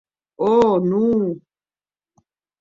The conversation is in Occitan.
Ò!, non.